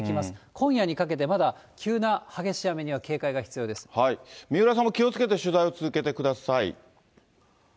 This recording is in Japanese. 今夜にかけてまだ急な激しい雨に三浦さんも気をつけて取材を続けてください。